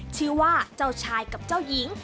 ชื่อว่าเจ้าชายกับเจ้าหญิง